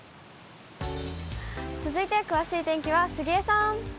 続いて、詳しい天気は杉江さん。